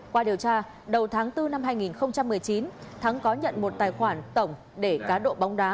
qua điều tra đầu tháng bốn năm hai nghìn một mươi chín thắng có nhận một tài khoản tổng để cá độ bóng đá